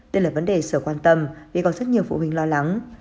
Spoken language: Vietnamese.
đây là vấn đề sở quan tâm vì còn rất nhiều phụ huynh lo lắng